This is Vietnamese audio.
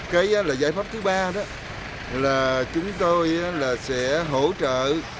cây giải pháp thứ ba là chúng tôi sẽ hỗ trợ